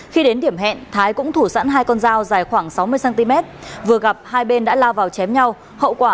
khi đến điểm hẹn thái cũng thủ sẵn hai con dao dài khoảng sáu mươi cm vừa gặp hai bên đã lao vào chém nhau hậu quả